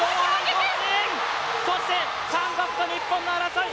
そして韓国と日本の争い。